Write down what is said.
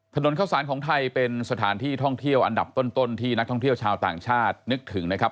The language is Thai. ถนนข้าวสารของไทยเป็นสถานที่ท่องเที่ยวอันดับต้นที่นักท่องเที่ยวชาวต่างชาตินึกถึงนะครับ